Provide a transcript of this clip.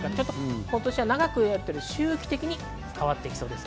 今年は長く、というより周期的に変わっていきそうです。